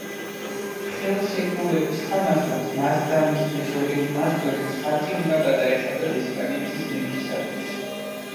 ხელშეკრულების თანახმად მას და მის მეზობელ მმართველებს ხარკი უნდა გადაეხადათ ესპანეთის მეფისათვის.